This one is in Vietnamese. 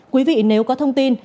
quý vị nếu có thông tin